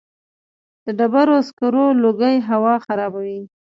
د ډبرو سکرو لوګی هوا خرابوي؟